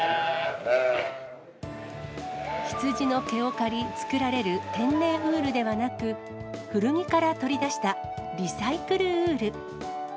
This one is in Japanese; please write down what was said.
ヒツジの毛を刈り作られる天然ウールではなく、古着から取り出したリサイクルウール。